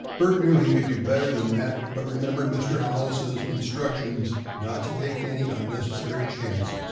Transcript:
Bert knew he could do better than that, but remembered Mr. Hollis's instructions not to take any unnecessary chances.